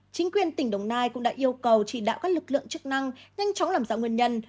chính quyền tỉnh đồng nai cũng đã yêu cầu chỉ đạo các lực lượng chức năng nhanh chóng làm rõ nguyên nhân